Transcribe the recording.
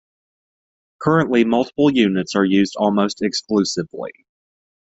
Currently multiple units are used almost exclusively.